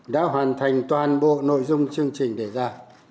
đã hoàn thành toàn bộ nội dung chương trình đề ra